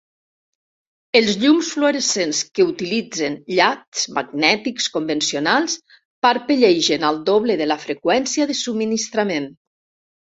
Els llums fluorescents que utilitzen llasts magnètics convencionals parpellegen al doble de la freqüència de subministrament.